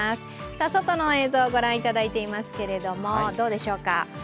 外の映像ご覧いただいていますが、どうでしょうか。